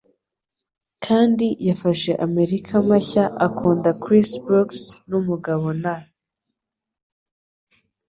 Kandi yafashe amerika mashya akunda chris brooks numugabo na.